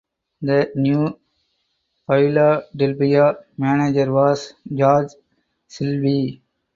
The New Philadelphia manager was George Silvey.